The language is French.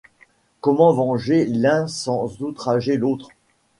Comment venger l’un sans outrager l’autre ?